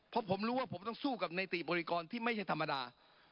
เพราะผมรู้ว่าผมต้องสู้กับในติบริกรที่ไม่ใช่ธรรมดา